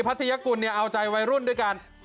พัทยกุลเอาใจวัยรุ่นด้วยกัน